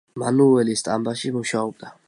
მანუელი სტამბაში მუშაობდა.